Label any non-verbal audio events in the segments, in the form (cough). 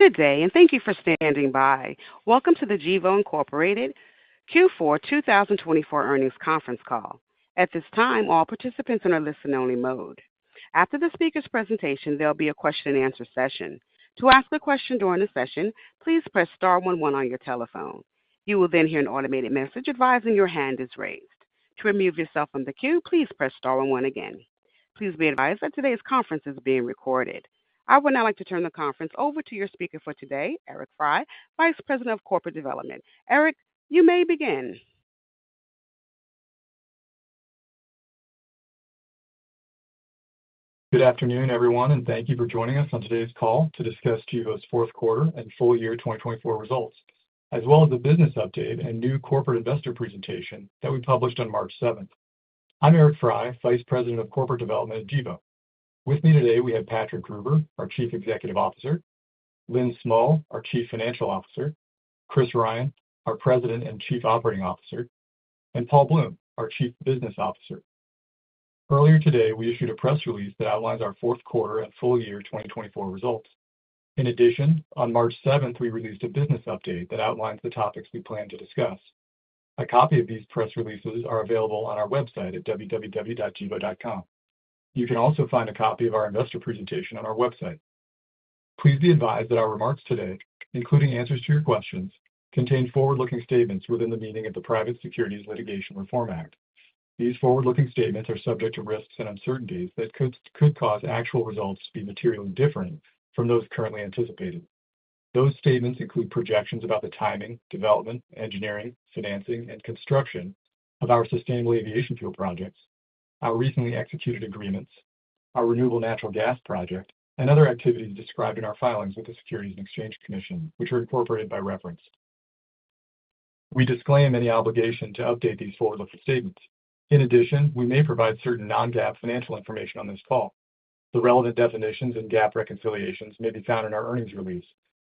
Good day, and thank you for standing by. Welcome to the Gevo Q4 2024 earnings conference call. At this time, all participants are in a listen-only mode. After the speaker's presentation, there'll be a question-and-answer session. To ask a question during the session, please press star one one on your telephone. You will then hear an automated message advising your hand is raised. To remove yourself from the queue, please press star one one again. Please be advised that today's conference is being recorded. I would now like to turn the conference over to your speaker for today, Eric Frey, Vice President of Corporate Development. Eric, you may begin. Good afternoon, everyone, and thank you for joining us on today's call to discuss Gevo's Fourth Quarter and Full Year 2024 results, as well as a business update and new corporate investor presentation that we published on March 7th. I'm Eric Frey, Vice President of Corporate Development at Gevo. With me today, we have Patrick Gruber, our Chief Executive Officer, Lynn Smull, our Chief Financial Officer, Chris Ryan, our President and Chief Operating Officer, and Paul Bloom, our Chief Business Officer. Earlier today, we issued a press release that outlines our fourth quarter and full year 2024 results. In addition, on March 7th, we released a business update that outlines the topics we plan to discuss. A copy of these press releases is available on our website at www.gevo.com. You can also find a copy of our investor presentation on our website. Please be advised that our remarks today, including answers to your questions, contain forward-looking statements within the meaning of the Private Securities Litigation Reform Act. These forward-looking statements are subject to risks and uncertainties that could cause actual results to be materially different from those currently anticipated. Those statements include projections about the timing, development, engineering, financing, and construction of our sustainable aviation fuel projects, our recently executed agreements, our renewable natural gas project, and other activities described in our filings with the Securities and Exchange Commission, which are incorporated by reference. We disclaim any obligation to update these forward-looking statements. In addition, we may provide certain non-GAAP financial information on this call. The relevant definitions and GAAP reconciliations may be found in our earnings release,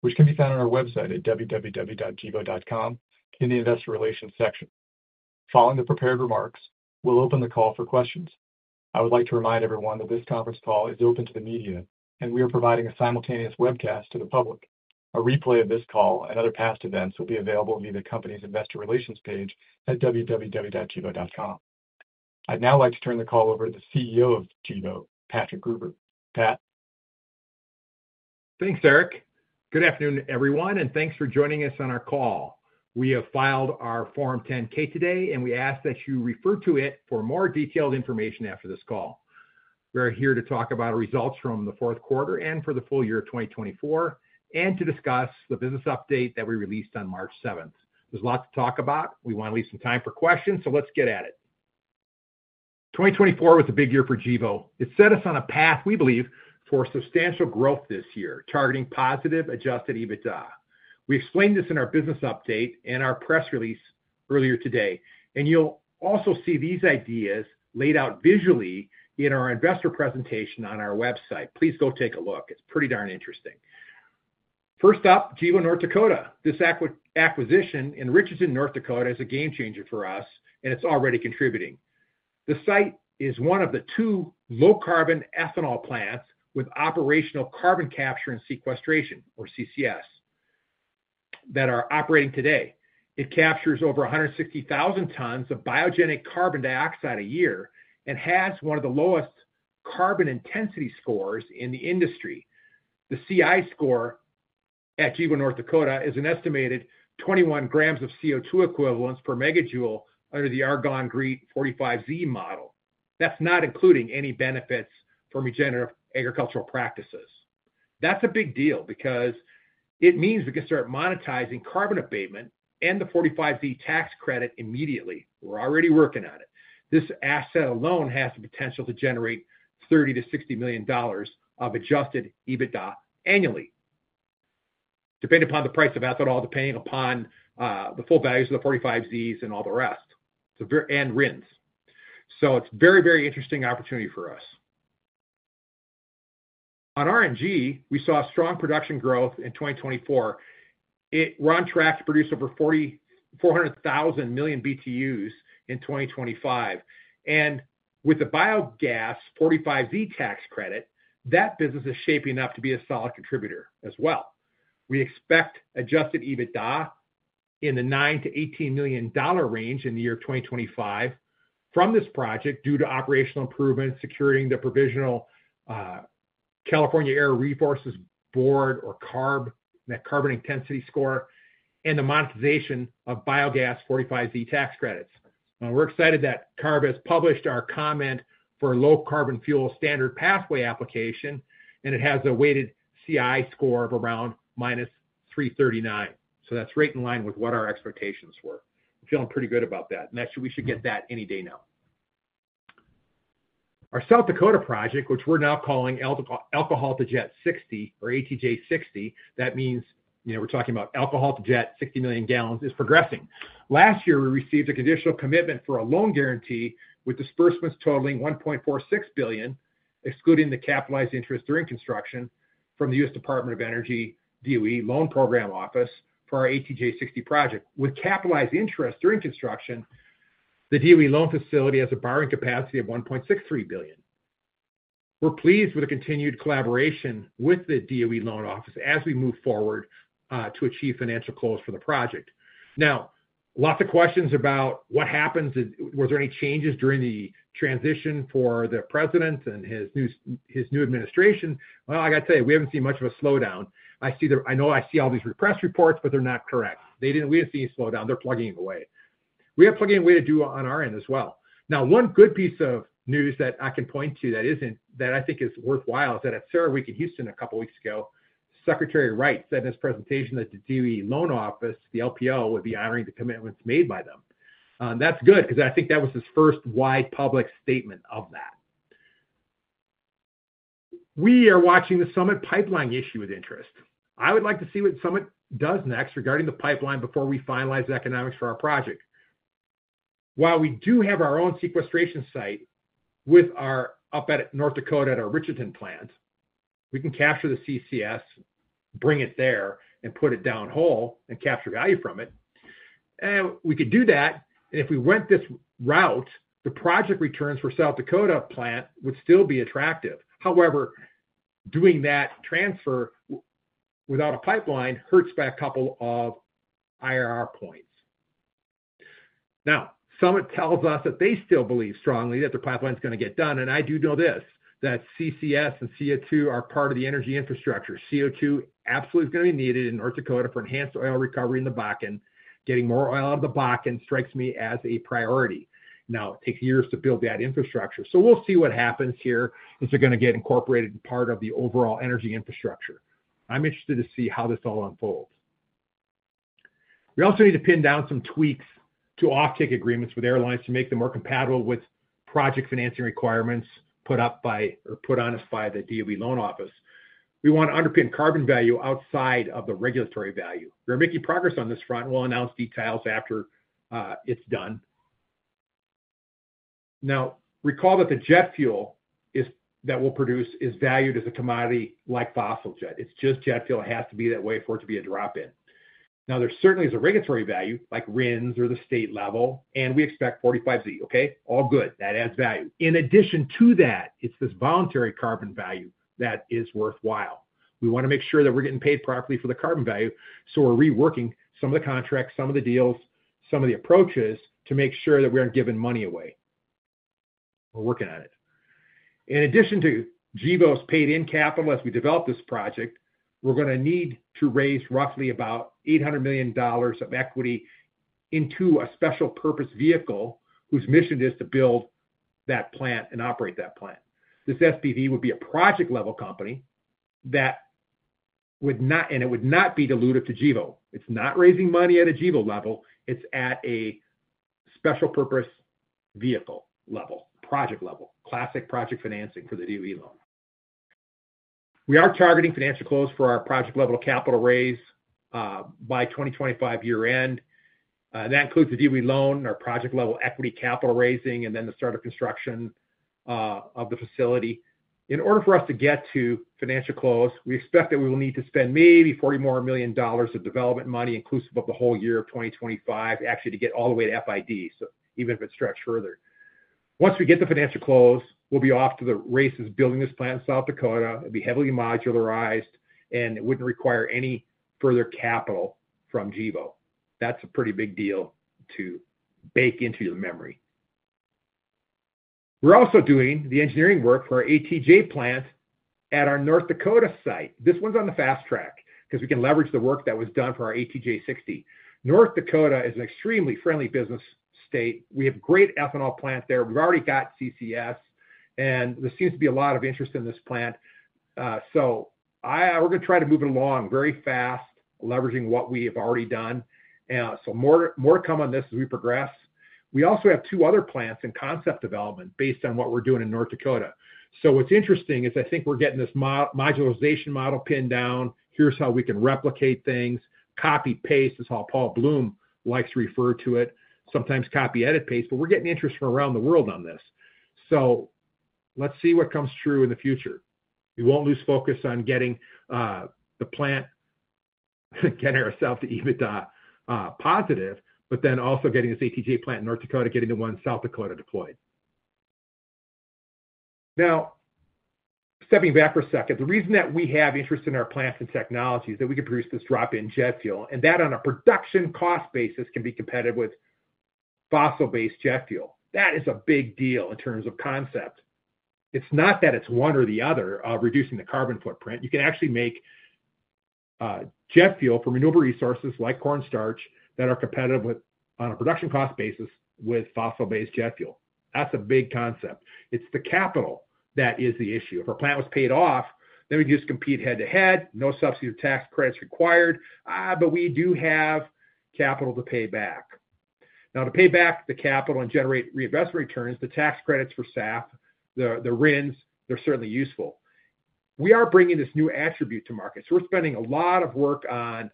which can be found on our website at www.gevo.com in the investor relations section. Following the prepared remarks, we'll open the call for questions. I would like to remind everyone that this conference call is open to the media, and we are providing a simultaneous webcast to the public. A replay of this call and other past events will be available via the company's investor relations page at www.gevo.com. I'd now like to turn the call over to the CEO of Gevo, Patrick Gruber. Pat. Thanks, Eric. Good afternoon, everyone, and thanks for joining us on our call. We have filed our Form 10-K today, and we ask that you refer to it for more detailed information after this call. We are here to talk about our results from the fourth quarter and for the full year 2024, and to discuss the business update that we released on March 7th. There is lots to talk about. We want to leave some time for questions, so let's get at it. 2024 was a big year for Gevo. It set us on a path, we believe, for substantial growth this year, targeting positive Adjusted EBITDA. We explained this in our business update and our press release earlier today, and you will also see these ideas laid out visually in our investor presentation on our website. Please go take a look. It is pretty darn interesting. First up, Gevo North Dakota. This acquisition in Richardton, North Dakota is a game changer for us, and it's already contributing. The site is one of the two low-carbon ethanol plants with operational carbon capture and sequestration, or CCS, that are operating today. It captures over 160,000 tons of biogenic carbon dioxide a year and has one of the lowest carbon intensity scores in the industry. The CI score at Gevo North Dakota is an estimated 21 grams of CO2 equivalents per megajoule under the Argonne GREET 45Z model. That's not including any benefits from regenerative agricultural practices. That's a big deal because it means we can start monetizing carbon abatement and the 45Z tax credit immediately. We're already working on it. This asset alone has the potential to generate $30 million-$60 million of Adjusted EBITDA annually, depending upon the price of ethanol, depending upon the full values of the 45Zs and all the rest, and RINs. It is a very, very interesting opportunity for us. On RNG, we saw strong production growth in 2024. We are on track to produce over 400,000 million BTUs in 2025. With the biogas 45Z tax credit, that business is shaping up to be a solid contributor as well. We expect Adjusted EBITDA in the $9 million-$18 million range in the year 2025 from this project due to operational improvements, securing the provisional California Air Resources Board, or CARB, carbon intensity score, and the monetization of biogas 45Z tax credits. We're excited that CARB has published our comment for a low-carbon fuel standard pathway application, and it has a weighted CI score of around -339. That's right in line with what our expectations were. We're feeling pretty good about that, and we should get that any day now. Our South Dakota project, which we're now calling Alcohol to Jet 60, or ATJ 60, that means we're talking about alcohol to jet 60 million gallons, is progressing. Last year, we received a conditional commitment for a loan guarantee with disbursements totaling $1.46 billion, excluding the capitalized interest during construction, from the U.S. Department of Energy DOE Loan Program Office for our ATJ 60 project. With capitalized interest during construction, the DOE loan facility has a borrowing capacity of $1.63 billion. We're pleased with the continued collaboration with the DOE Loan Office as we move forward to achieve financial close for the project. Now, lots of questions about what happens. Were there any changes during the transition for the president and his new administration? I got to tell you, we haven't seen much of a slowdown. I know I see all these repressed reports, but they're not correct. We didn't see any slowdown. They're plugging away. We have plugging away to do on our end as well. Now, one good piece of news that I can point to that I think is worthwhile is that at CERAWeek in Houston a couple of weeks ago, Secretary Wright said in his presentation that the DOE Loan Office, the LPO, would be honoring the commitments made by them. That's good because I think that was his first wide public statement of that. We are watching the Summit pipeline issue with interest. I would like to see what Summit does next regarding the pipeline before we finalize the economics for our project. While we do have our own sequestration site up at North Dakota at our Richardton plants, we can capture the CCS, bring it there, and put it down hole and capture value from it. We could do that. If we went this route, the project returns for the South Dakota plant would still be attractive. However, doing that transfer without a pipeline hurts by a couple of IRR points. Summit tells us that they still believe strongly that the pipeline is going to get done. I do know this, that CCS and CO2 are part of the energy infrastructure. CO2 absolutely is going to be needed in North Dakota for enhanced oil recovery in the Bakken. Getting more oil out of the Bakken strikes me as a priority. Now, it takes years to build that infrastructure. We'll see what happens here. Is it going to get incorporated in part of the overall energy infrastructure? I'm interested to see how this all unfolds. We also need to pin down some tweaks to offtake agreements with airlines to make them more compatible with project financing requirements put on us by the DOE Loan Office. We want to underpin carbon value outside of the regulatory value. We're making progress on this front. We'll announce details after it's done. Now, recall that the jet fuel that we'll produce is valued as a commodity like fossil jet. It's just jet fuel. It has to be that way for it to be a drop-in. There certainly is a regulatory value like RINs or the state level, and we expect 45Z. Okay, all good. That adds value. In addition to that, it's this voluntary carbon value that is worthwhile. We want to make sure that we're getting paid properly for the carbon value. So we're reworking some of the contracts, some of the deals, some of the approaches to make sure that we aren't giving money away. We're working at it. In addition to Gevo's paid-in capital as we develop this project, we're going to need to raise roughly about $800 million of equity into a special purpose vehicle whose mission is to build that plant and operate that plant. This SPV would be a project-level company that would not, and it would not be diluted to Gevo. It's not raising money at a Gevo level. It's at a special purpose vehicle level, project level, classic project financing for the DOE loan. We are targeting financial close for our project-level capital raise by 2025 year-end. That includes the DOE loan, our project-level equity capital raising, and then the start of construction of the facility. In order for us to get to financial close, we expect that we will need to spend maybe $40 million more of development money, inclusive of the whole year of 2025, actually to get all the way to FID, so even if it stretched further. Once we get the financial close, we'll be off to the races building this plant in South Dakota. It'd be heavily modularized, and it wouldn't require any further capital from Gevo. That's a pretty big deal to bake into your memory. We're also doing the engineering work for our ATJ plant at our North Dakota site. This one's on the fast track because we can leverage the work that was done for our ATJ 60. North Dakota is an extremely friendly business state. We have a great ethanol plant there. We've already got CCS, and there seems to be a lot of interest in this plant. We're going to try to move it along very fast, leveraging what we have already done. More to come on this as we progress. We also have two other plants in concept development based on what we're doing in North Dakota. What's interesting is I think we're getting this modularization model pinned down. Here's how we can replicate things. Copy-paste is how Paul Bloom likes to refer to it. Sometimes copy-edit-paste, but we're getting interest from around the world on this. Let's see what comes true in the future. We won't lose focus on getting the plant, getting ourselves to EBITDA positive, but also getting this ATJ plant in North Dakota, getting the one in South Dakota deployed. Now, stepping back for a second, the reason that we have interest in our plants and technology is that we could produce this drop-in jet fuel, and that on a production cost basis can be competitive with fossil-based jet fuel. That is a big deal in terms of concept. It's not that it's one or the other of reducing the carbon footprint. You can actually make jet fuel from renewable resources like cornstarch that are competitive on a production cost basis with fossil-based jet fuel. That's a big concept. It's the capital that is the issue. If our plant was paid off, then we'd just compete head-to-head. No subsidy or tax credits required, but we do have capital to pay back. Now, to pay back the capital and generate reinvestment returns, the tax credits for SAF, the RINs, they're certainly useful. We are bringing this new attribute to market. We are spending a lot of work on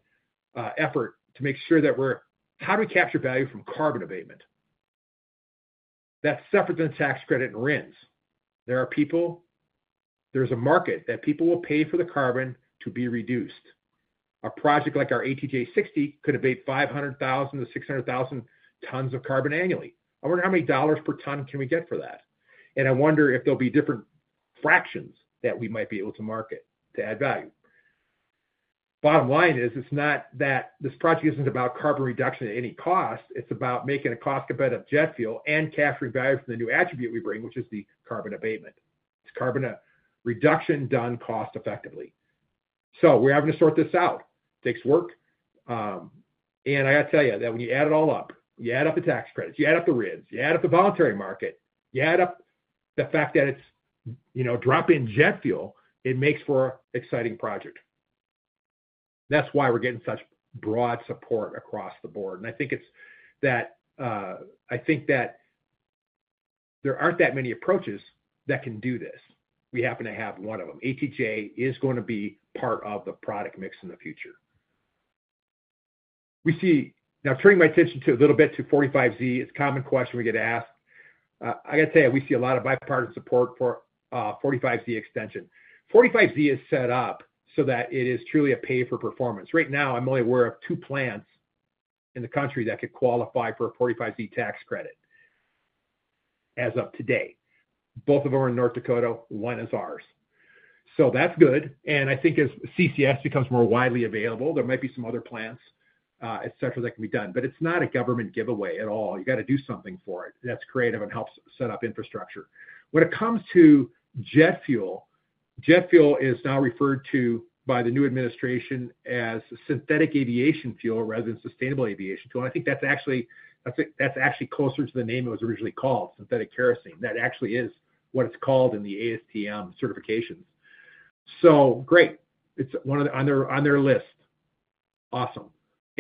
effort to make sure that we're how do we capture value from carbon abatement? That's separate than tax credit and RINs. There are people, there's a market that people will pay for the carbon to be reduced. A project like our ATJ 60 could abate 500,000-600,000 tons of carbon annually. I wonder how many dollars per ton can we get for that? I wonder if there will be different fractions that we might be able to market to add value. Bottom line is it's not that this project isn't about carbon reduction at any cost. It's about making a cost-competitive jet fuel and capturing value from the new attribute we bring, which is the carbon abatement. It's carbon reduction done cost-effectively. We are having to sort this out. Takes work. I got to tell you that when you add it all up, you add up the tax credits, you add up the RINs, you add up the voluntary market, you add up the fact that it's drop-in jet fuel, it makes for an exciting project. That is why we are getting such broad support across the board. I think it's that I think that there aren't that many approaches that can do this. We happen to have one of them. ATJ is going to be part of the product mix in the future. Now, turning my attention a little bit to 45Z, it's a common question we get asked. I got to tell you, we see a lot of bipartisan support for 45Z extension. 45Z is set up so that it is truly a pay-for-performance. Right now, I'm only aware of two plants in the country that could qualify for a 45Z tax credit as of today. Both of them are in North Dakota. One is ours. That's good. I think as CCS becomes more widely available, there might be some other plants, etc., that can be done. It is not a government giveaway at all. You got to do something for it that's creative and helps set up infrastructure. When it comes to jet fuel, jet fuel is now referred to by the new administration as synthetic aviation fuel rather than sustainable aviation fuel. I think that's actually closer to the name it was originally called, synthetic kerosene. That actually is what it's called in the ASTM certifications. Great. It's on their list. Awesome.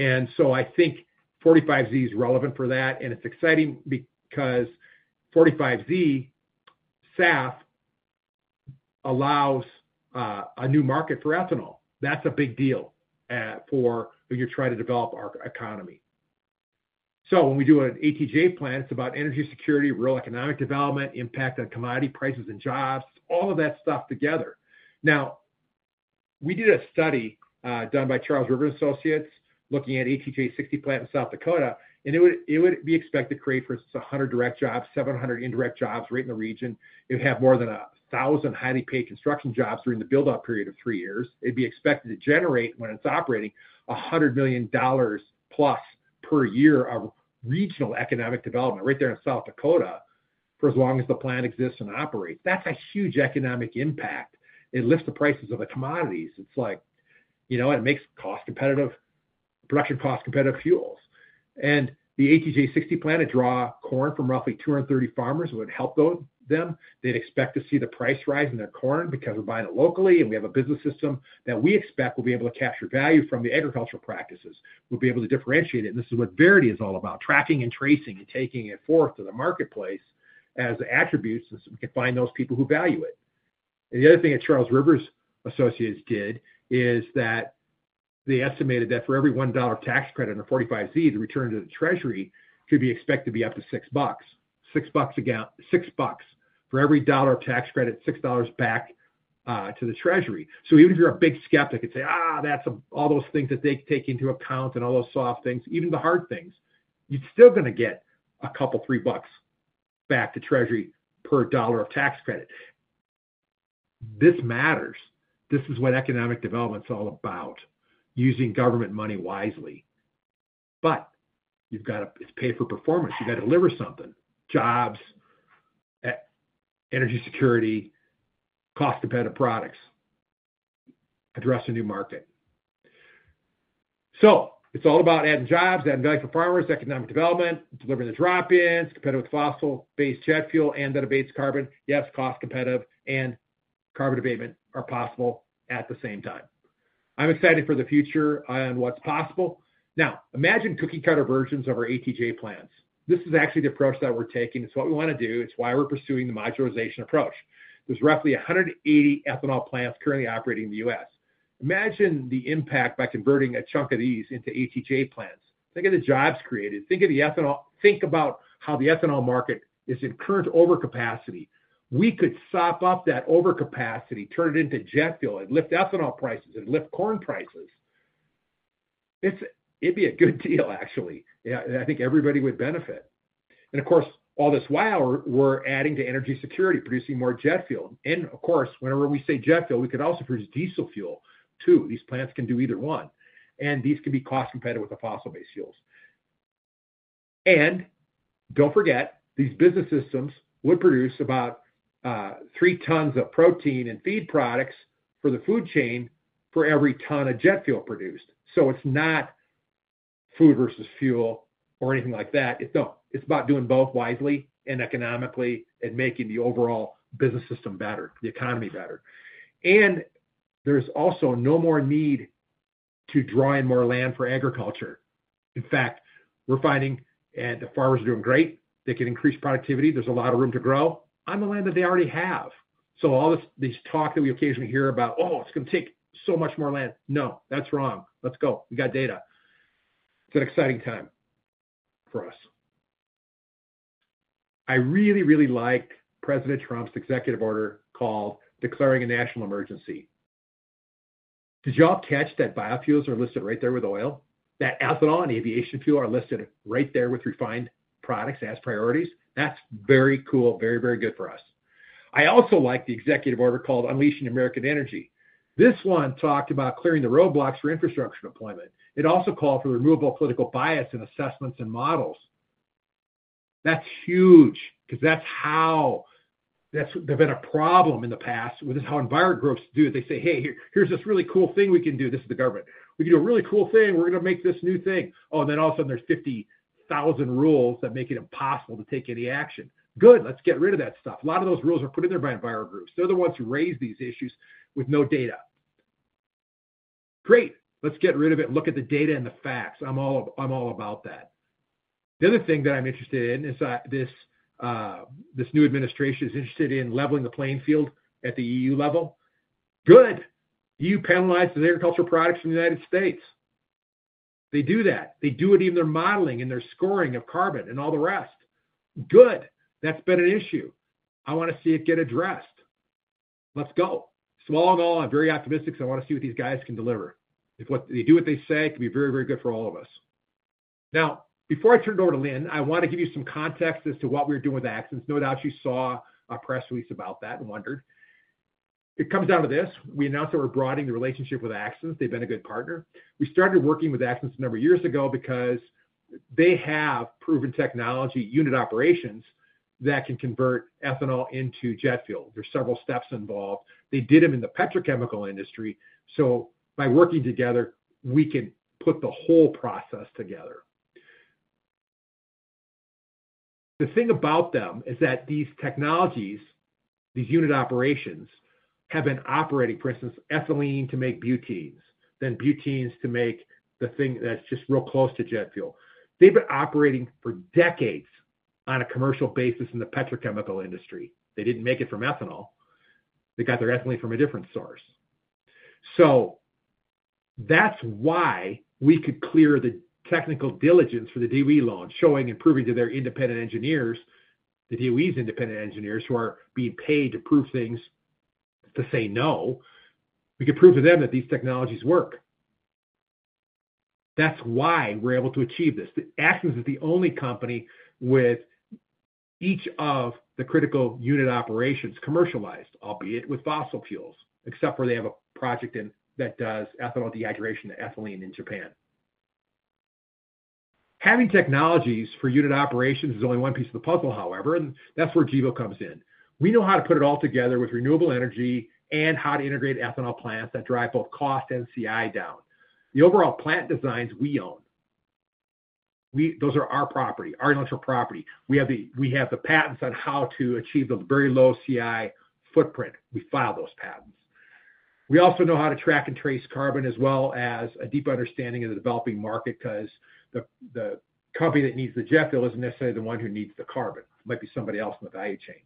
I think 45Z is relevant for that. It's exciting because 45Z SAF allows a new market for ethanol. That's a big deal for when you're trying to develop our economy. When we do an ATJ plant, it's about energy security, real economic development, impact on commodity prices and jobs, all of that stuff together. We did a study done by Charles River Associates looking at ATJ 60 plant in South Dakota. It would be expected to create, for instance, 100 direct jobs, 700 indirect jobs right in the region. It would have more than 1,000 highly paid construction jobs during the build-up period of three years. It'd be expected to generate, when it's operating, $100+ million per year of regional economic development right there in South Dakota for as long as the plant exists and operates. That's a huge economic impact. It lifts the prices of the commodities. It's like, you know what? It makes production cost-competitive fuels. The ATJ 60 plant would draw corn from roughly 230 farmers who would help them. They'd expect to see the price rise in their corn because we're buying it locally, and we have a business system that we expect will be able to capture value from the agricultural practices. We'll be able to differentiate it. This is what Verity is all about, tracking and tracing and taking it forth to the marketplace as attributes so we can find those people who value it. The other thing that Charles River Associates did is that they estimated that for every $1 tax credit in a 45Z, the return to the treasury could be expected to be up to six bucks. Six bucks for every dollar of tax credit, six dollars back to the treasury. Even if you're a big skeptic and say, that's all those things that they take into account and all those soft things, even the hard things, you're still going to get a couple, three bucks back to treasury per dollar of tax credit. This matters. This is what economic development is all about, using government money wisely. It's pay-for-performance. You got to deliver something: jobs, energy security, cost-competitive products, address a new market. It's all about adding jobs, adding value for farmers, economic development, delivering the drop-ins, competitive with fossil-based jet fuel and that it abates carbon. Yes, cost-competitive and carbon abatement are possible at the same time. I'm excited for the future and what's possible. Now, imagine cookie-cutter versions of our ATJ plants. This is actually the approach that we're taking. It's what we want to do. It's why we're pursuing the modularization approach. There's roughly 180 ethanol plants currently operating in the U.S. Imagine the impact by converting a chunk of these into ATJ plants. Think of the jobs created. Think about how the ethanol market is in current overcapacity. We could sop up that overcapacity, turn it into jet fuel, and lift ethanol prices and lift corn prices. It'd be a good deal, actually. I think everybody would benefit. Of course, all this while, we're adding to energy security, producing more jet fuel. Of course, whenever we say jet fuel, we could also produce diesel fuel too. These plants can do either one. These can be cost-competitive with the fossil-based fuels. Do not forget, these business systems would produce about three tons of protein and feed products for the food chain for every ton of jet fuel produced. It is not food versus fuel or anything like that. It is about doing both wisely and economically and making the overall business system better, the economy better. There is also no more need to draw in more land for agriculture. In fact, we are finding, and the farmers are doing great. They can increase productivity. There is a lot of room to grow on the land that they already have. All this talk that we occasionally hear about, "Oh, it is going to take so much more land." No, that is wrong. Let us go. We have data. It is an exciting time for us. I really, really liked President Trump's executive order called declaring a national emergency. Did you all catch that biofuels are listed right there with oil? That ethanol and aviation fuel are listed right there with refined products as priorities. That's very cool, very, very good for us. I also liked the executive order called unleashing American energy. This one talked about clearing the roadblocks for infrastructure deployment. It also called for removal of political bias in assessments and models. That's huge because that's how there's been a problem in the past with how environment groups do it. They say, "Hey, here's this really cool thing we can do. This is the government. We can do a really cool thing. We're going to make this new thing." Oh, and then all of a sudden, there's 50,000 rules that make it impossible to take any action. Good. Let's get rid of that stuff. A lot of those rules are put in there by environment groups. They're the ones who raise these issues with no data. Great. Let's get rid of it and look at the data and the facts. I'm all about that. The other thing that I'm interested in is this new administration is interested in leveling the playing field at the EU level. Good. EU penalizes agricultural products in the United States. They do that. They do it in their modeling and their scoring of carbon and all the rest. Good. That's been an issue. I want to see it get addressed. Let's go. All in all, I'm very optimistic. I want to see what these guys can deliver. If they do what they say, it could be very, very good for all of us. Now, before I turn it over to Lynn, I want to give you some context as to what we're doing with Axens. No doubt you saw a press release about that and wondered. It comes down to this. We announced that we're broadening the relationship with Axens. They've been a good partner. We started working with Axens a number of years ago because they have proven technology unit operations that can convert ethanol into jet fuel. There are several steps involved. They did them in the petrochemical industry. By working together, we can put the whole process together. The thing about them is that these technologies, these unit operations have been operating, for instance, ethylene to make butenes, then butenes to make the thing that's just real close to jet fuel. They've been operating for decades on a commercial basis in the petrochemical industry. They didn't make it from ethanol. They got their ethylene from a different source. That is why we could clear the technical diligence for the DOE loan showing and proving to their independent engineers, the DOE's independent engineers who are being paid to prove things to say no. We could prove to them that these technologies work. That is why we are able to achieve this. Axens is the only company with each of the critical unit operations commercialized, albeit with fossil fuels, except for they have a project that does ethanol dehydration and ethylene in Japan. Having technologies for unit operations is only one piece of the puzzle, however. That is where Gevo comes in. We know how to put it all together with renewable energy and how to integrate ethanol plants that drive both cost and CI down. The overall plant designs we own, those are our property, our intellectual property. We have the patents on how to achieve the very low CI footprint. We file those patents. We also know how to track and trace carbon as well as a deep understanding of the developing market because the company that needs the jet fuel isn't necessarily the one who needs the carbon. It might be somebody else in the value chain.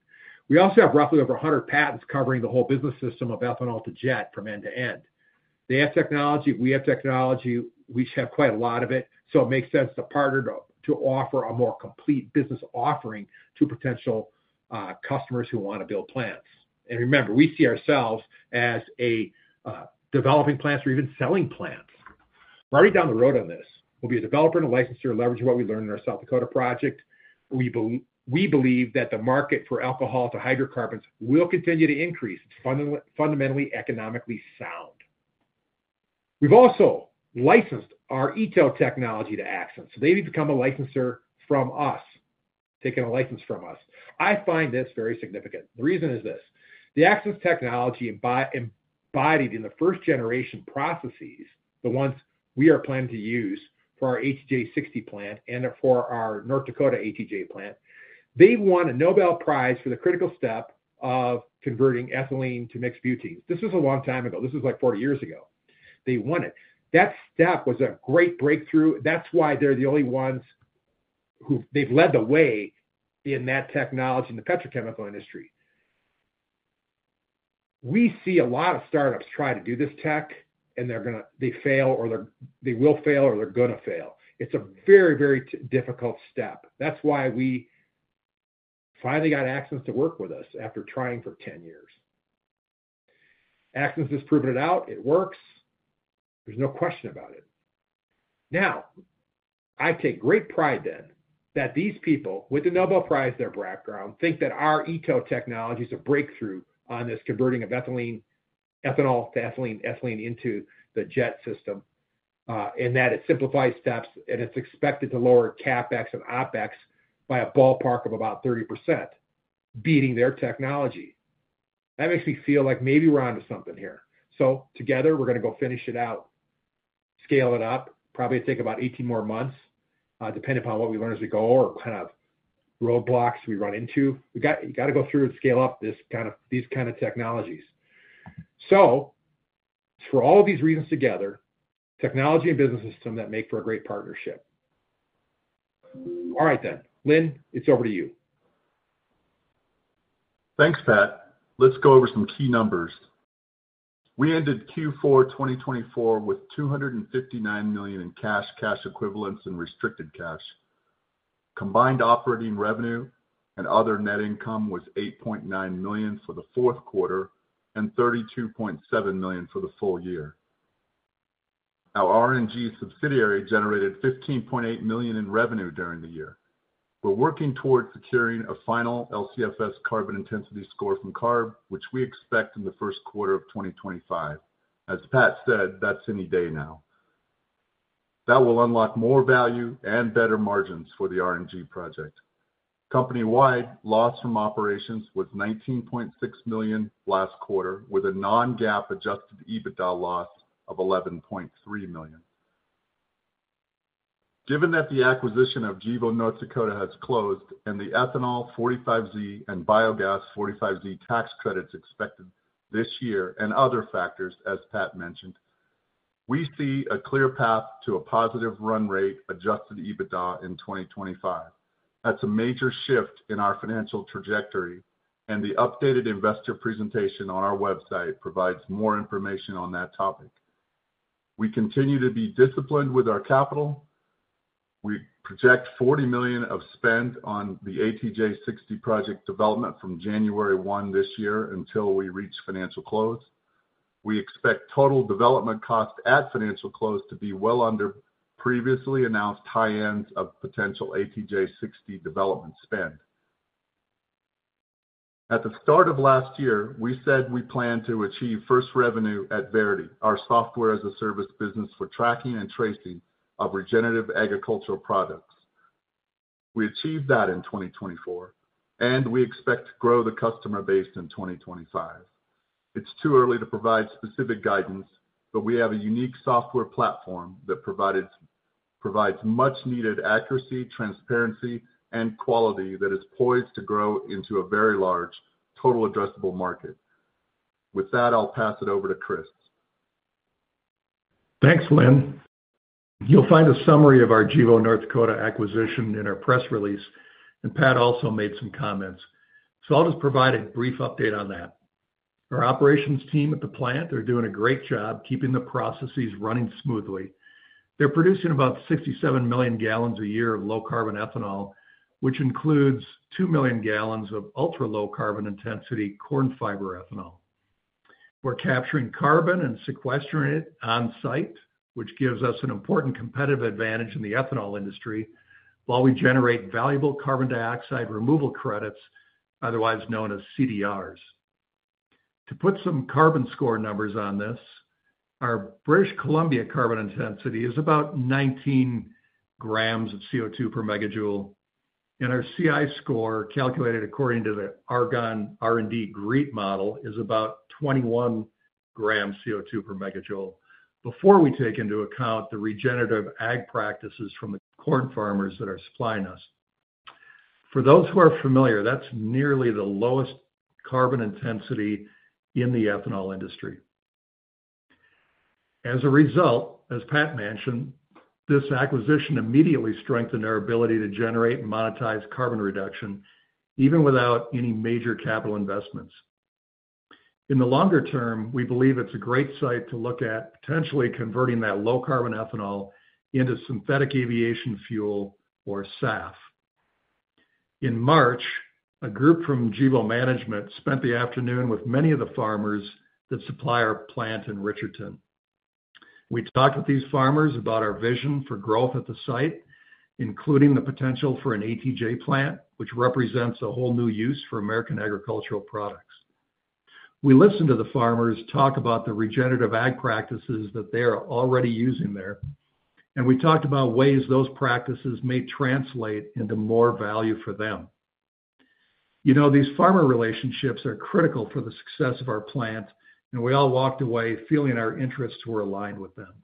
We also have roughly over 100 patents covering the whole business system of ethanol to jet from end to end. They have technology. We have technology. We have quite a lot of it. It makes sense to partner to offer a more complete business offering to potential customers who want to build plants. Remember, we see ourselves as developing plants or even selling plants. We're already down the road on this. We'll be a developer and a licensor to leverage what we learned in our South Dakota project. We believe that the market for alcohol to hydrocarbons will continue to increase. It's fundamentally economically sound. We've also licensed our ETO technology to Axens. So they've become a licensor from us, taken a license from us. I find this very significant. The reason is this. The Axens technology embodied in the first-generation processes, the ones we are planning to use for our ATJ 60 plant and for our North Dakota ATJ plant, they won a Nobel Prize for the critical step of converting ethylene to mixed butenes. This was a long time ago. This was like 40 years ago. They won it. That step was a great breakthrough. That's why they're the only ones who they've led the way in that technology in the petrochemical industry. We see a lot of startups try to do this tech, and they fail or they will fail or they're going to fail. It's a very, very difficult step. That's why we finally got Axens to work with us after trying for 10 years. Axens has proven it out. It works. There's no question about it. Now, I take great pride then that these people with the Nobel Prize in their background think that our ETO technology is a breakthrough on this converting of ethanol to ethylene into the jet system and that it simplifies steps and it's expected to lower CapEx and OpEx by a ballpark of about 30%, beating their technology. That makes me feel like maybe we're onto something here. Together, we're going to go finish it out, scale it up. Probably take about 18 more months, depending upon what we learn as we go or kind of roadblocks we run into. You got to go through and scale up these kinds of technologies. For all of these reasons together, technology and business system that make for a great partnership. All right, then. Lynn, it's over to you. Thanks, Pat. Let's go over some key numbers. We ended Q4 2024 with $259 million in cash, cash equivalents, and restricted cash. Combined operating revenue and other net income was $8.9 million for the fourth quarter and $32.7 million for the full year. Our RNG subsidiary generated $15.8 million in revenue during the year. We're working towards securing a final LCFS carbon intensity score from CARB, which we expect in the first quarter of 2025. As Pat said, that's any day now. That will unlock more value and better margins for the RNG project. Company-wide, loss from operations was $19.6 million last quarter with a non-GAAP Adjusted EBITDA loss of $11.3 million. Given that the acquisition of Gevo North Dakota has closed and the ethanol 45Z and biogas 45Z tax credits expected this year and other factors, as Pat mentioned, we see a clear path to a positive run rate Adjusted EBITDA in 2025. That's a major shift in our financial trajectory, and the updated investor presentation on our website provides more information on that topic. We continue to be disciplined with our capital. We project $40 million of spend on the ATJ 60 project development from January 1 this year until we reach financial close. We expect total development cost at financial close to be well under previously announced high ends of potential ATJ 60 development spend. At the start of last year, we said we plan to achieve first revenue at Verity, our software as a service business for tracking and tracing of regenerative agricultural products. We achieved that in 2024, and we expect to grow the customer base in 2025. It's too early to provide specific guidance, but we have a unique software platform that provides much-needed accuracy, transparency, and quality that is poised to grow into a very large total addressable market. With that, I'll pass it over to Chris. Thanks, Lynn. You'll find a summary of our Gevo North Dakota acquisition in our press release, and Pat also made some comments. I will just provide a brief update on that. Our operations team at the plant are doing a great job keeping the processes running smoothly. They're producing about 67 million gallons a year of low-carbon ethanol, which includes 2 million gallons of ultra-low carbon intensity corn fiber ethanol. We're capturing carbon and sequestering it on site, which gives us an important competitive advantage in the ethanol industry while we generate valuable carbon dioxide removal credits, otherwise known as CDRs. To put some carbon score numbers on this, our British Columbia carbon intensity is about 19 grams of CO2 per megajoule, and our CI score calculated according to the Argonne R&D GREET model is about 21 grams CO2 per megajoule before we take into account the regenerative ag practices from the corn farmers that are supplying us. For those who are familiar, that's nearly the lowest carbon intensity in the ethanol industry. As a result, as Pat mentioned, this acquisition immediately strengthened our ability to generate and monetize carbon reduction even without any major capital investments. In the longer term, we believe it's a great site to look at potentially converting that low-carbon ethanol into synthetic aviation fuel or SAF. In March, a group from Gevo management spent the afternoon with many of the farmers that supply our plant in Richardton. We talked with these farmers about our vision for growth at the site, including the potential for an ATJ plant, which represents a whole new use for American agricultural products. We listened to the farmers talk about the regenerative ag practices that they are already using there, and we talked about ways those practices may translate into more value for them. You know, these farmer relationships are critical for the success of our plant, and we all walked away feeling our interests were aligned with them.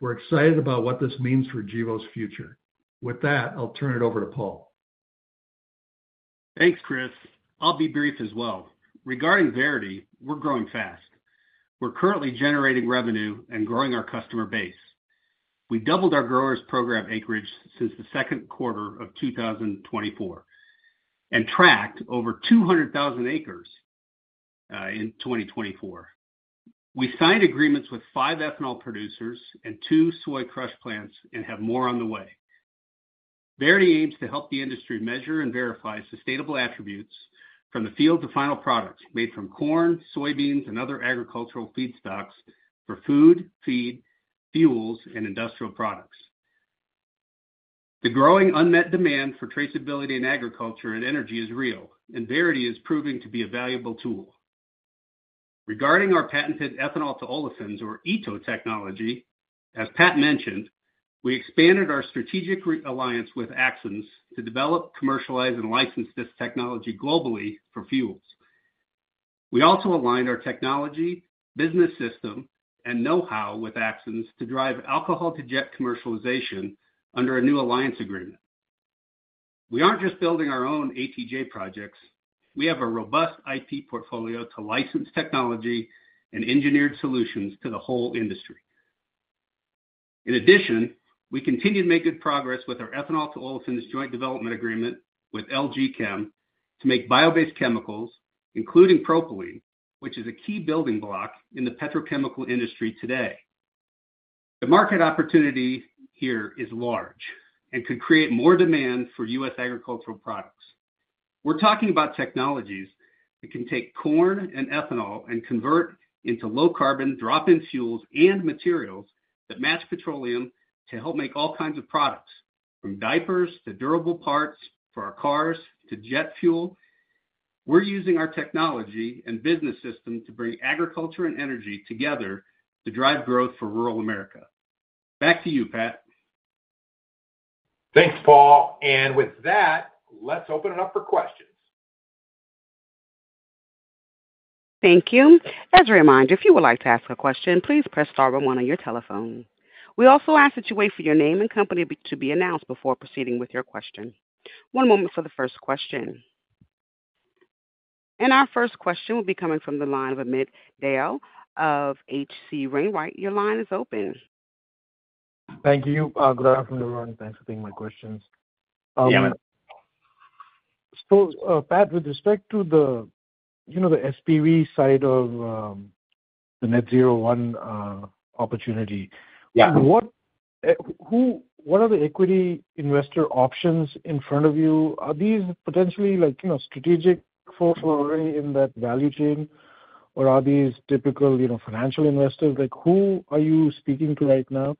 We're excited about what this means for Gevo's future. With that, I'll turn it over to Paul. Thanks, Chris. I'll be brief as well. Regarding Verity, we're growing fast. We're currently generating revenue and growing our customer base. We doubled our growers' program acreage since the second quarter of 2024 and tracked over 200,000 acres in 2024. We signed agreements with five ethanol producers and two soy crush plants and have more on the way. Verity aims to help the industry measure and verify sustainable attributes from the field to final products made from corn, soybeans, and other agricultural feedstocks for food, feed, fuels, and industrial products. The growing unmet demand for traceability in agriculture and energy is real, and Verity is proving to be a valuable tool. Regarding our patented ethanol to olefins or ETO technology, as Pat mentioned, we expanded our strategic alliance with Axens to develop, commercialize, and license this technology globally for fuels. We also aligned our technology, business system, and know-how with Axens to drive alcohol to jet commercialization under a new alliance agreement. We aren't just building our own ATJ projects. We have a robust IP portfolio to license technology and engineered solutions to the whole industry. In addition, we continue to make good progress with our ethanol to olefins joint development agreement with LG Chem to make bio-based chemicals, including propylene, which is a key building block in the petrochemical industry today. The market opportunity here is large and could create more demand for U.S. agricultural products. We're talking about technologies that can take corn and ethanol and convert into low-carbon drop-in fuels and materials that match petroleum to help make all kinds of products, from diapers to durable parts for our cars to jet fuel. We're using our technology and business system to bring agriculture and energy together to drive growth for rural America. Back to you, Pat. Thanks, Paul. With that, let's open it up for questions. Thank you. As a reminder, if you would like to ask a question, please press star one on your telephone. We also ask that you wait for your name and company to be announced before proceeding with your question. One moment for the first question. Our first question will be coming from the line of Amit Dayal of H.C. Wainwright. Your line is open. Thank you. Good afternoon, everyone. Thanks for taking my questions. Pat, with respect to the SPV side of the Net-Zero 1 opportunity, what are the equity investor options in front of you? Are these potentially strategic folks already in that value chain, or are these typical financial investors? Who are you speaking to right now?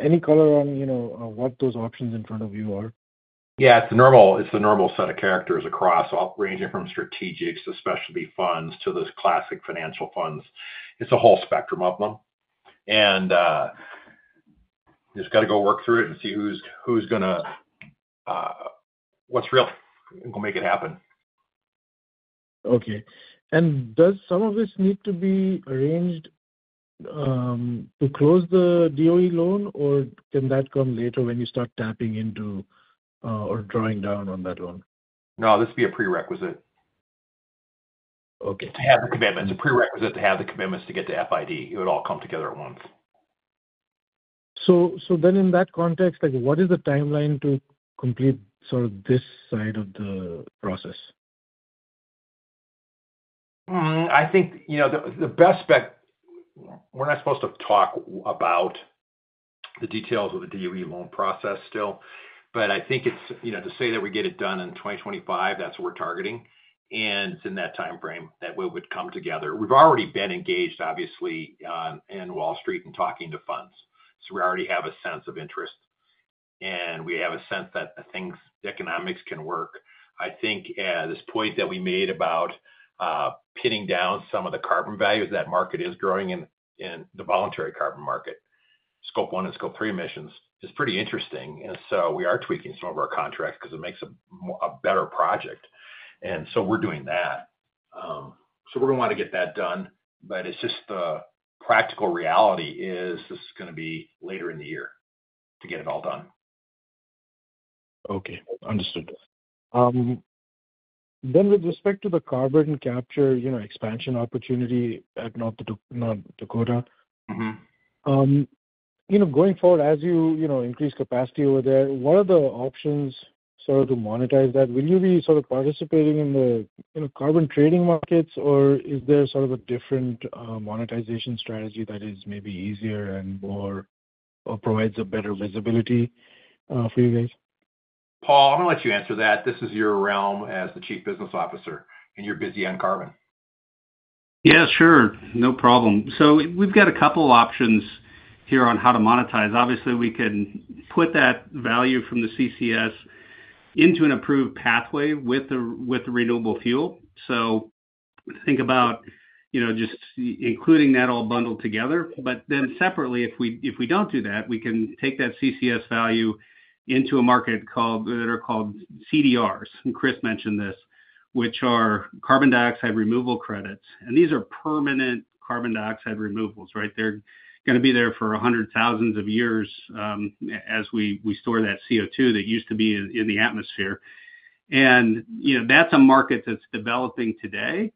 Any color on what those options in front of you are? Yeah, it's a normal set of characters across, ranging from strategics, especially funds, to those classic financial funds. It's a whole spectrum of them. You just got to go work through it and see who's going to what's real and going to make it happen. Okay. Does some of this need to be arranged to close the DOE loan, or can that come later when you start tapping into or drawing down on that loan? No, this would be a prerequisite. Okay. To have the commitments. A prerequisite to have the commitments to get to FID. It would all come together at once. In that context, what is the timeline to complete sort of this side of the process? I think the best bet, we're not supposed to talk about the details of the DOE loan process still, but I think it's to say that we get it done in 2025, that's what we're targeting. It's in that timeframe that we would come together. We've already been engaged, obviously, in Wall Street and talking to funds. We already have a sense of interest, and we have a sense that the economics can work. I think this point that we made about pinning down some of the carbon values, that market is growing in the voluntary carbon market, scope one and scope three emissions, is pretty interesting. We are tweaking some of our contracts because it makes a better project. We are doing that. We're going to want to get that done, but it's just the practical reality is this is going to be later in the year to get it all done. Okay. Understood. With respect to the carbon capture expansion opportunity at North Dakota, going forward, as you increase capacity over there, what are the options sort of to monetize that? Will you be sort of participating in the carbon trading markets, or is there sort of a different monetization strategy that is maybe easier and provides a better visibility for you guys? Paul, I'm going to let you answer that. This is your realm as the Chief Business Officer, and you're busy on carbon. Yeah, sure. No problem. We've got a couple of options here on how to monetize. Obviously, we can put that value from the CCS into an approved pathway with the renewable fuel. Think about just including that all bundled together. Separately, if we don't do that, we can take that CCS value into a market that are called CDRs. Chris mentioned this, which are carbon dioxide removal credits. These are permanent carbon dioxide removals, right? They're going to be there for hundreds of thousands of years as we store that CO2 that used to be in the atmosphere. That's a market that's developing today.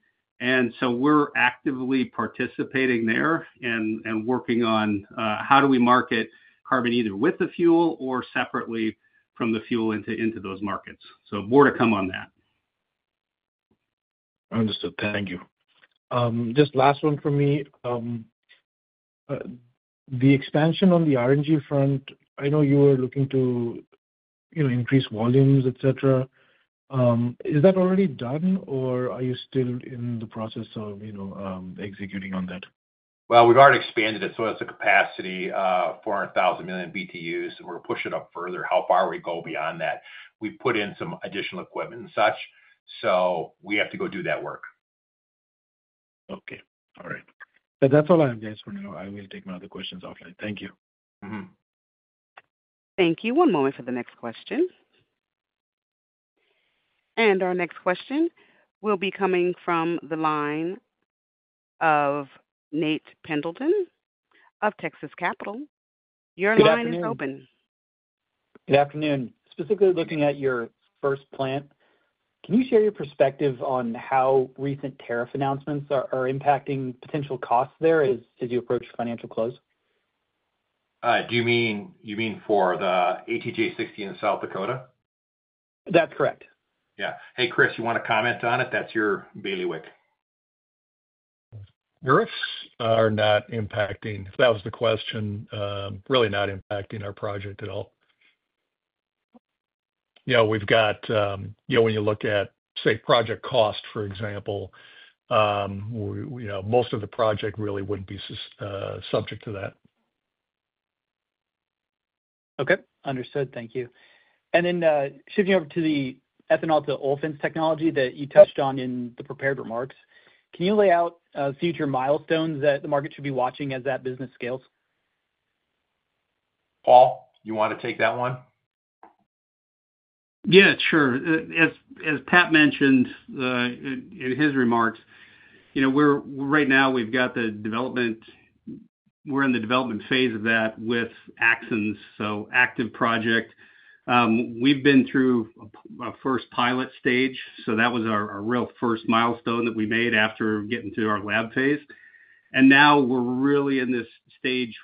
We're actively participating there and working on how do we market carbon either with the fuel or separately from the fuel into those markets. More to come on that. Understood. Thank you. Just last one for me. The expansion on the RNG front, I know you were looking to increase volumes, etc. Is that already done, or are you still in the process of executing on that? We've already expanded it. That's a capacity of 400,000 million BTUs, and we're pushing it up further. How far will we go beyond that? We put in some additional equipment and such. We have to go do that work. Okay. All right. That's all I have, guys. For now, I will take my other questions offline. Thank you. Thank you. One moment for the next question. Our next question will be coming from the line of Nate Pendleton of Texas Capital. Your line is open. Good afternoon. Specifically looking at your first plant, can you share your perspective on how recent tariff announcements are impacting potential costs there as you approach financial close? Do you mean for the ATJ 60 in South Dakota? That's correct. Yeah. Hey, Chris, you want to comment on it? That's your bailiwick. Yes. Are not impacting. That was the question. Really not impacting our project at all. Yeah, we've got when you look at, say, project cost, for example, most of the project really would not be subject to that. Okay. Understood. Thank you. Shifting over to the ethanol to olefins technology that you touched on in the prepared remarks, can you lay out future milestones that the market should be watching as that business scales? Paul, you want to take that one? Yeah, sure. As Pat mentioned in his remarks, right now, we've got the development. We're in the development phase of that with Axens, so active project. We've been through a first pilot stage. That was our real first milestone that we made after getting to our lab phase. Now we're really in this stage,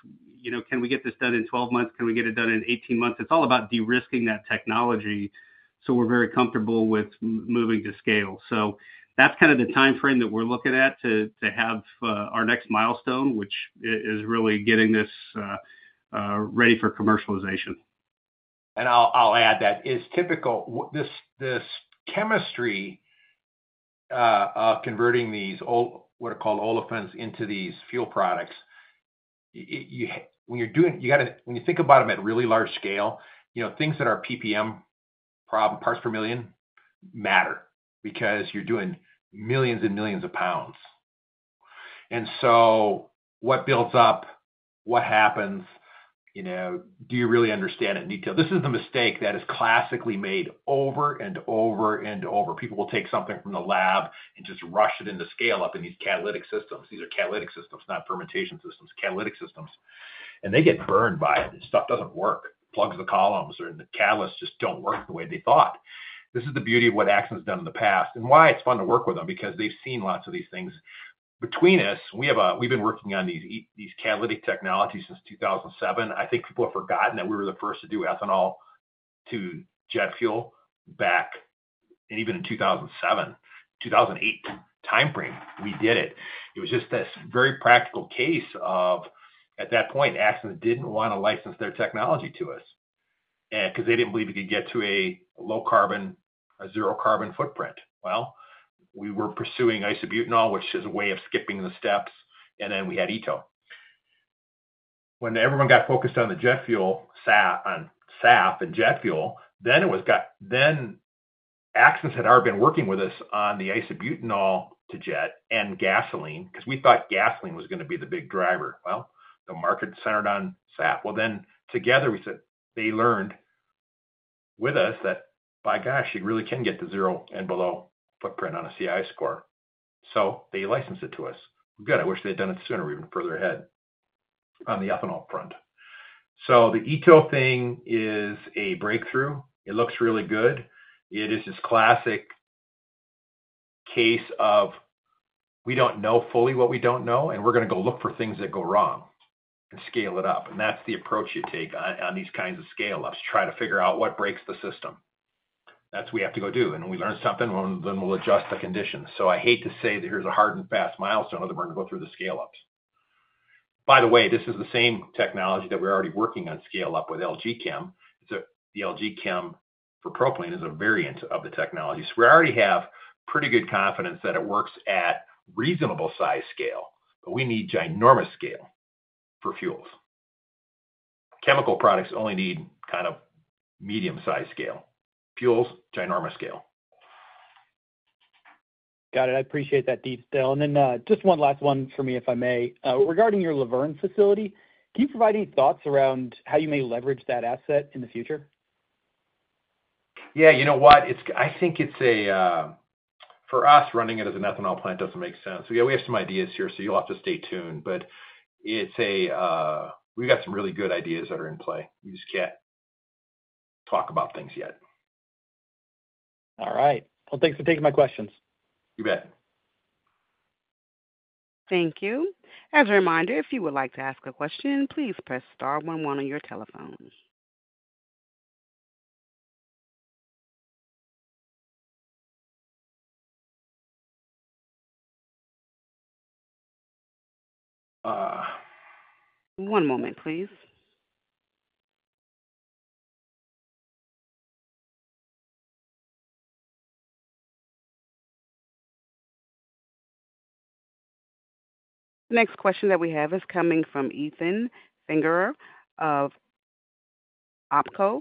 can we get this done in 12 months? Can we get it done in 18 months? It's all about de-risking that technology. We're very comfortable with moving to scale. That's kind of the timeframe that we're looking at to have our next milestone, which is really getting this ready for commercialization. I'll add that it's typical. This chemistry of converting what are called olefins into these fuel products, when you're doing it, when you think about them at really large scale, things that are PPM, parts per million, matter because you're doing millions and millions of pounds. What builds up? What happens? Do you really understand it in detail? This is the mistake that is classically made over and over and over. People will take something from the lab and just rush it into scale up in these catalytic systems. These are catalytic systems, not fermentation systems, catalytic systems. They get burned by it. The stuff doesn't work. Plugs the columns or the catalysts just don't work the way they thought. This is the beauty of what Axens has done in the past and why it's fun to work with them because they've seen lots of these things. Between us, we've been working on these catalytic technologies since 2007. I think people have forgotten that we were the first to do ethanol to jet fuel back even in 2007, 2008 timeframe. We did it. It was just this very practical case of, at that point, Axens didn't want to license their technology to us because they didn't believe we could get to a low carbon, a zero carbon footprint. We were pursuing isobutanol, which is a way of skipping the steps. And then we had ETO. When everyone got focused on the jet fuel, SAF and jet fuel, Axens had already been working with us on the isobutanol to jet and gasoline because we thought gasoline was going to be the big driver. The market centered on SAF. Together, they learned with us that, by gosh, you really can get to zero and below footprint on a CI score. They licensed it to us. We're good. I wish they had done it sooner or even further ahead on the ethanol front. The ETO thing is a breakthrough. It looks really good. It is this classic case of we don't know fully what we don't know, and we're going to go look for things that go wrong and scale it up. That's the approach you take on these kinds of scale-ups, try to figure out what breaks the system. That's what we have to go do. We learn something, then we'll adjust the conditions. I hate to say that here's a hard and fast milestone other than we're going to go through the scale-ups. By the way, this is the same technology that we're already working on scale-up with LG Chem. The LG Chem for propylene is a variant of the technology. We already have pretty good confidence that it works at reasonable size scale, but we need ginormous scale for fuels. Chemical products only need kind of medium-sized scale. Fuels, Ginormous scale. Got it. I appreciate that deep, Dale. Just one last one for me, if I may. Regarding your Luverne facility, can you provide any thoughts around how you may leverage that asset in the future? Yeah. You know what? I think for us, running it as an ethanol plant doesn't make sense. We have some ideas here, so you'll have to stay tuned. We have got some really good ideas that are in play. We just can't talk about things yet. All right. Thanks for taking my questions. You bet. Thank you. As a reminder, if you would like to ask a question, please press star one-one on your telephone. One moment, please. The next question that we have is coming from Ethan Fingerer of Oppenheimer.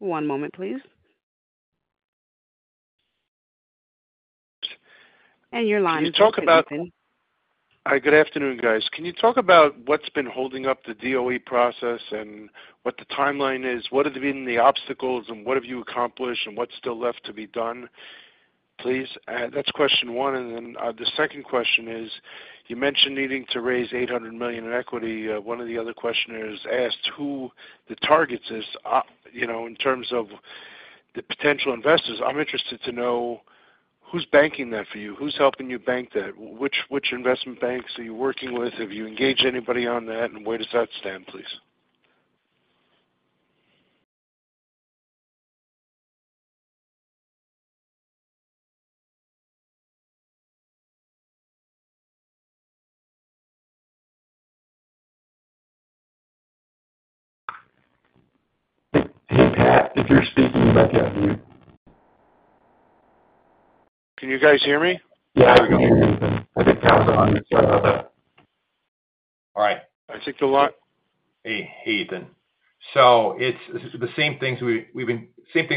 One moment, please. Oops. Your line is open, Ethan. Can you talk about—Hi, good afternoon, guys. Can you talk about what's been holding up the DOE process and what the timeline is? What have been the obstacles and what have you accomplished and what's still left to be done, please? That's question one. The second question is, you mentioned needing to raise $800 million in equity. One of the other questioners asked who the target is in terms of the potential investors. I'm interested to know who's banking that for you? Who's helping you bank that? Which investment banks are you working with? Have you engaged anybody on that? Where does that stand, please? Hey, Pat, if you're speaking, let me know. Can you guys hear me? (audio distortion) All right. I think the line—Hey, Ethan. It's the same things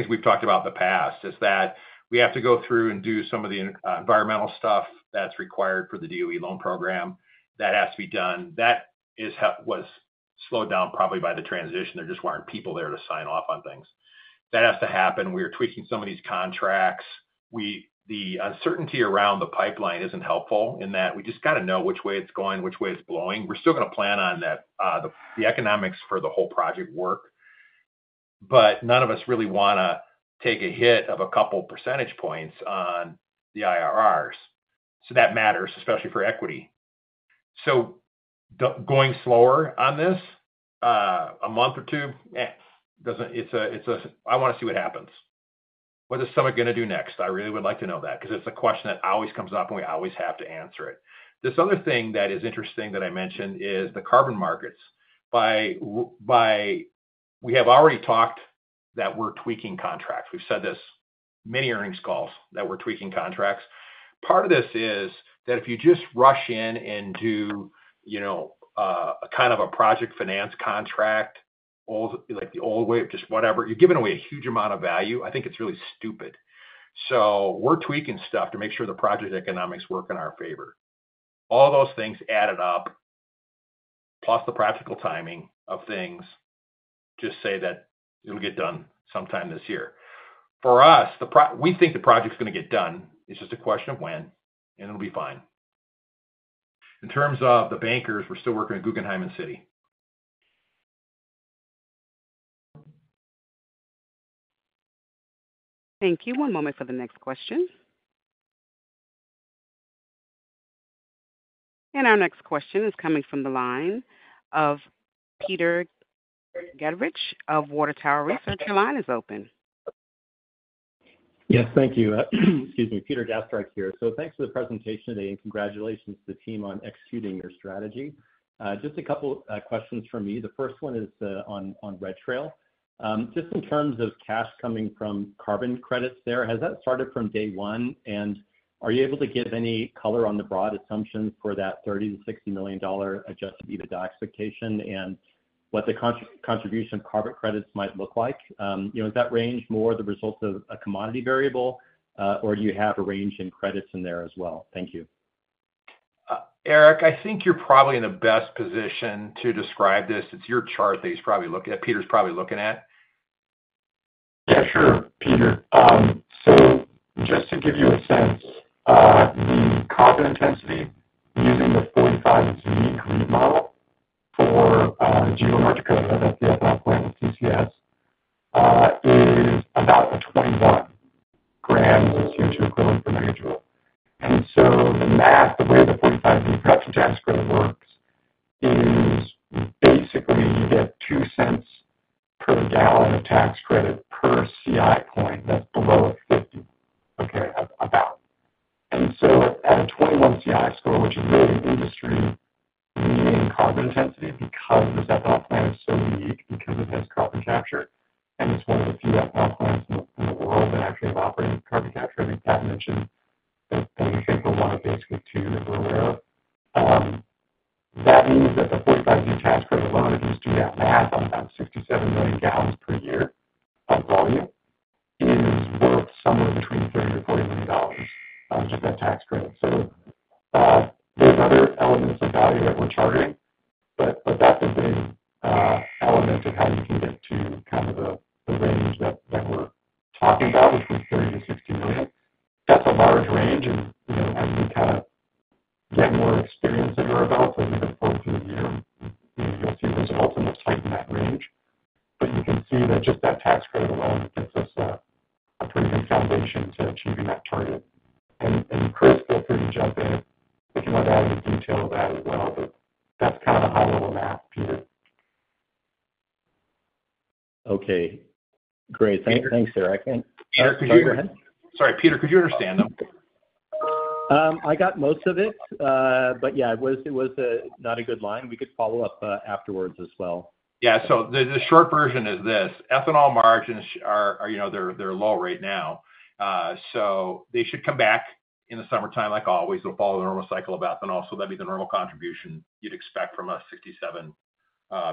we've talked about in the past, is that we have to go through and do some of the environmental stuff that's required for the DOE loan program. That has to be done. That was slowed down probably by the transition. There just weren't people there to sign off on things. That has to happen. We are tweaking some of these contracts. The uncertainty around the pipeline isn't helpful in that we just got to know which way it's going, which way it's blowing. We're still going to plan on the economics for the whole project work, but none of us really want to take a hit of a couple of percentage points on the IRRs. That matters, especially for equity. Going slower on this, a month or two, it's a—I want to see what happens. What is Summit going to do next? I really would like to know that because it's a question that always comes up, and we always have to answer it. This other thing that is interesting that I mentioned is the carbon markets. We have already talked that we're tweaking contracts. We've said this many earnings calls that we're tweaking contracts. Part of this is that if you just rush in and do a kind of a project finance contract, like the old way, just whatever, you're giving away a huge amount of value. I think it's really stupid. So we're tweaking stuff to make sure the project economics work in our favor. All those things added up, plus the practical timing of things, just say that it'll get done sometime this year. For us, we think the project's going to get done. It's just a question of when, and it'll be fine. In terms of the bankers, we're still working at Guggenheim and Citi. Thank you. One moment for the next question. Our next question is coming from the line of Peter Gastreich of Water Tower Research. Your line is open. Yes, thank you. Excuse me. Peter Gastreich here. Thank you for the presentation today, and congratulations to the team on executing your strategy. Just a couple of questions from me. The first one is on Red Trail. In terms of cash coming from carbon credits there, has that started from day one? Are you able to give any color on the broad assumptions for that $30 million-$60 million Adjusted EBITDA expectation and what the contribution of carbon credits might look like? Does that range more the results of a commodity variable, or do you have a range in credits in there as well? Thank you. Eric, I think you're probably in the best position to describe this. It's your chart that he's probably looking at, Peter's probably looking at. Yeah, sure, Peter. Just to give you a sense, the carbon intensity using the 45Z Chris, feel free to jump in. We can look at it in detail with that as well. That's kind of the high-level math, Peter. Okay. Great. Thanks, Eric. And Eric, could you Sorry, Peter, could you understand them? I got most of it. Yeah, it was not a good line. We could follow up afterwards as well. Yeah. The short version is this: ethanol margins, they're low right now. They should come back in the summertime, like always. They'll follow the normal cycle of ethanol. That would be the normal contribution you'd expect from a 67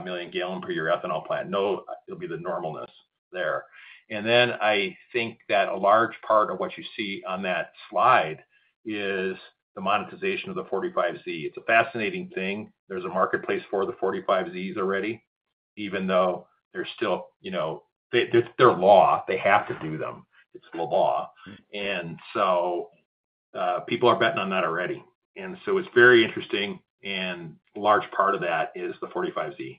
million gallon per year ethanol plant. No, it'll be the normalness there. I think that a large part of what you see on that slide is the monetization of the 45Z. It's a fascinating thing. There's a marketplace for the 45Zs already, even though they're still—they're law. They have to do them. It's the law. People are betting on that already. It's very interesting. A large part of that is the 45Z.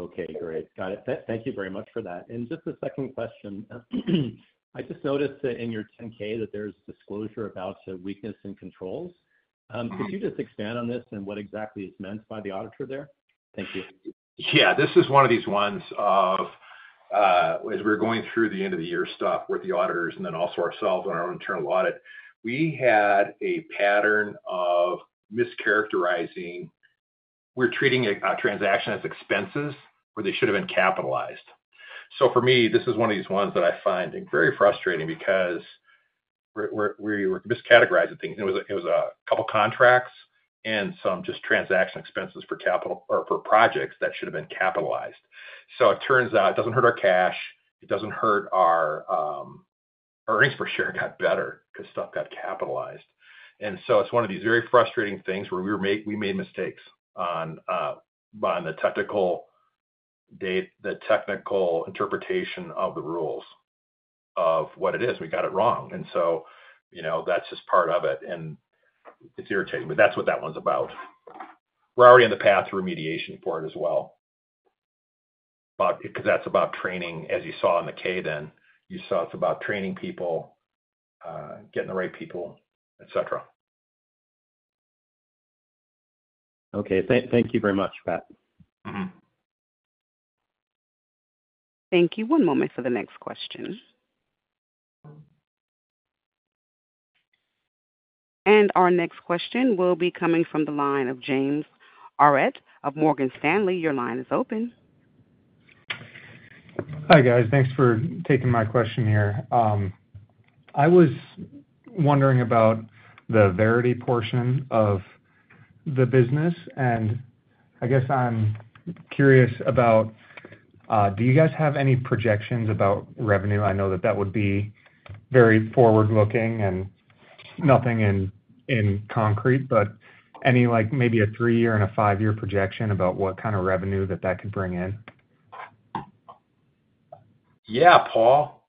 Okay. Great. Got it. Thank you very much for that. Just a second question. I just noticed that in your 10-K that there's disclosure about weakness in controls. Could you just expand on this and what exactly is meant by the auditor there? Thank you. Yeah. This is one of these ones of, as we're going through the end-of-the-year stuff with the auditors and then also ourselves on our own internal audit, we had a pattern of mischaracterizing. We're treating a transaction as expenses where they should have been capitalized. For me, this is one of these ones that I find very frustrating because we were mischategorizing things. It was a couple of contracts and some just transaction expenses for projects that should have been capitalized. It turns out it doesn't hurt our cash. It doesn't hurt our earnings per share got better because stuff got capitalized. It is one of these very frustrating things where we made mistakes on the technical interpretation of the rules of what it is. We got it wrong. That is just part of it. It is irritating, but that's what that one's about. We're already on the path to remediation for it as well because that's about training, as you saw in the K then. You saw it's about training people, getting the right people, etc. Okay. Thank you very much, Pat. Thank you. One moment for the next question. Our next question will be coming from the line of James Faucette of Morgan Stanley. Your line is open. Hi guys. Thanks for taking my question here. I was wondering about the Verity portion of the business. I guess I'm curious about, do you guys have any projections about revenue? I know that that would be very forward-looking and nothing in concrete, but any maybe a three-year and a five-year projection about what kind of revenue that that could bring in? Yeah, Paul.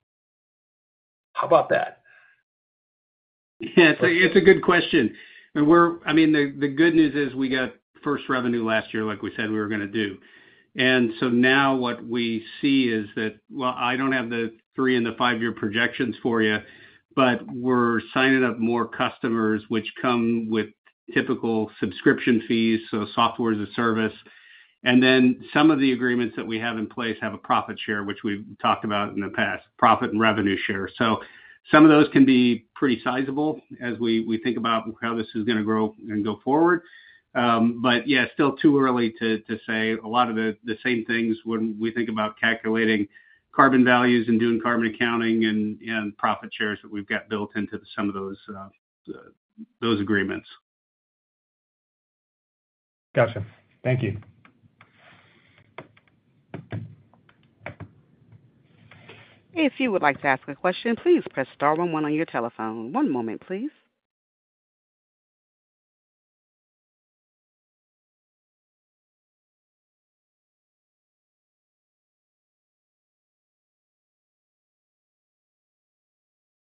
How about that? Yeah. It's a good question. I mean, the good news is we got first revenue last year, like we said we were going to do. Now what we see is that, I don't have the three and the five-year projections for you, but we're signing up more customers, which come with typical subscription fees, so software as a service. Some of the agreements that we have in place have a profit share, which we've talked about in the past, profit and revenue share. Some of those can be pretty sizable as we think about how this is going to grow and go forward. Yeah, still too early to say. A lot of the same things when we think about calculating carbon values and doing carbon accounting and profit shares that we've got built into some of those agreements. Gotcha. Thank you. If you would like to ask a question, please press star one-one on your telephone. One moment, please.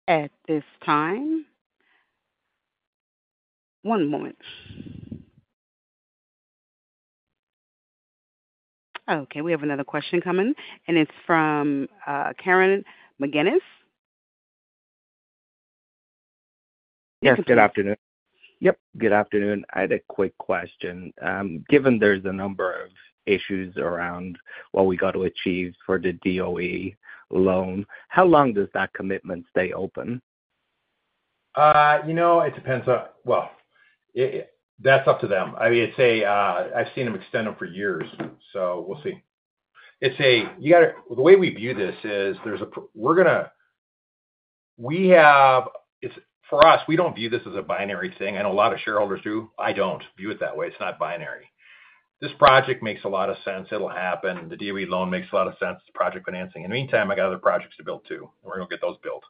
At this time. One moment. Okay. We have another question coming, and it's from Karen McGuinness. Yes. Good afternoon. Yep. Good afternoon. I had a quick question. Given there's a number of issues around what we got to achieve for the DOE loan, how long does that commitment stay open? It depends. That's up to them. I mean, I've seen them extend them for years, so we'll see. The way we view this is we're going to—for us, we don't view this as a binary thing. I know a lot of shareholders do. I don't view it that way. It's not binary. This project makes a lot of sense. It'll happen. The DOE loan makes a lot of sense, the project financing. In the meantime, I got other projects to build too. We're going to get those built.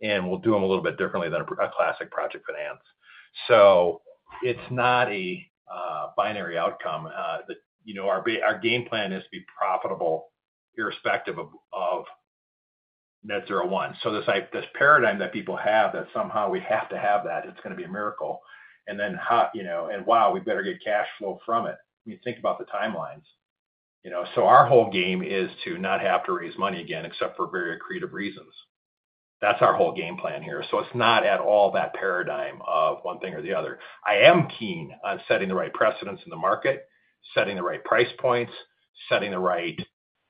We'll do them a little bit differently than a classic project finance. It's not a binary outcome. Our game plan is to be profitable irrespective of Net-Zero 1. This paradigm that people have that somehow we have to have that, it's going to be a miracle. Wow, we better get cash flow from it. I mean, think about the timelines. Our whole game is to not have to raise money again except for very accretive reasons. That's our whole game plan here. It is not at all that paradigm of one thing or the other. I am keen on setting the right precedents in the market, setting the right price points, setting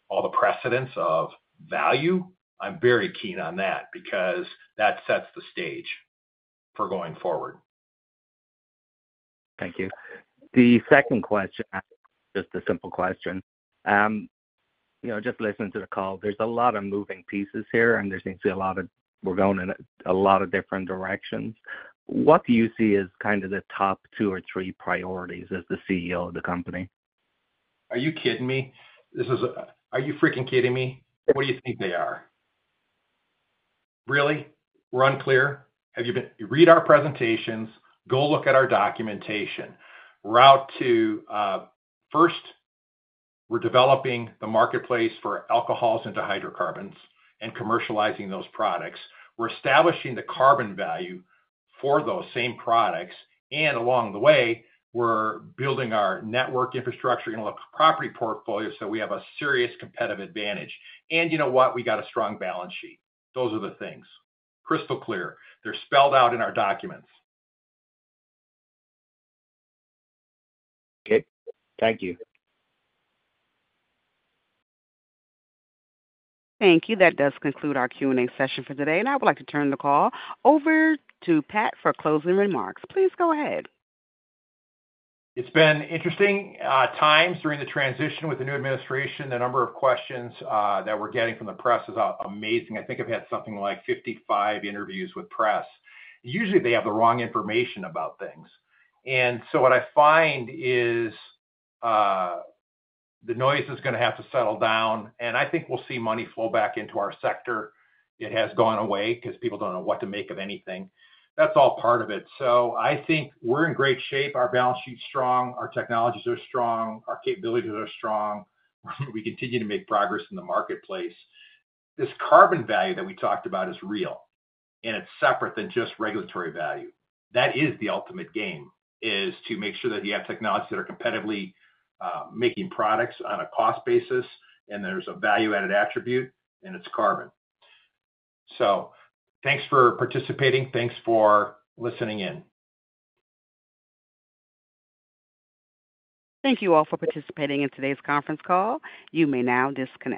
all the precedents of value. I'm very keen on that because that sets the stage for going forward. Thank you. The second question, just a simple question. Just listening to the call, there's a lot of moving pieces here, and there seems to be a lot of—we're going in a lot of different directions. What do you see as kind of the top two or three priorities as the CEO of the company? Are you kidding me? Are you freaking kidding me? What do you think they are? Really? We're unclear? Have you been—read our presentations. Go look at our documentation. Route to first, we're developing the marketplace for alcohols and hydrocarbons and commercializing those products. We're establishing the carbon value for those same products. Along the way, we're building our network infrastructure and look at property portfolio so we have a serious competitive advantage. You know what? We got a strong balance sheet. Those are the things. Crystal clear. They're spelled out in our documents. Okay. Thank you. Thank you. That does conclude our Q&A session for today. I would like to turn the call over to Pat for closing remarks. Please go ahead. It's been interesting times during the transition with the new administration. The number of questions that we're getting from the press is amazing. I think I've had something like 55 interviews with press. Usually, they have the wrong information about things. What I find is the noise is going to have to settle down. I think we'll see money flow back into our sector. It has gone away because people don't know what to make of anything. That's all part of it. I think we're in great shape. Our balance sheet's strong. Our technologies are strong. Our capabilities are strong. We continue to make progress in the marketplace. This carbon value that we talked about is real, and it's separate than just regulatory value. That is the ultimate game, is to make sure that you have technologies that are competitively making products on a cost basis, and there's a value-added attribute, and it's carbon. Thanks for participating. Thanks for listening in. Thank you all for participating in today's conference call. You may now disconnect.